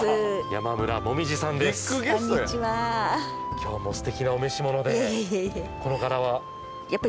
今日もすてきなお召し物でいえいえ